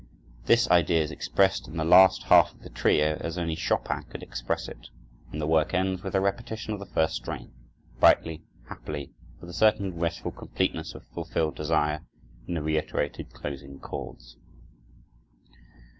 This idea is expressed in the last half of the trio as only Chopin could express it; and the work ends with a repetition of the first strain, brightly, happily, with a certain restful completeness of fulfilled desire in the reiterated closing chords.